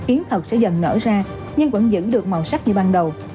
yến thật sẽ dần nở ra nhưng vẫn giữ được màu sắc như ban đầu